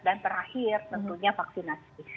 dan terakhir tentunya vaksinasi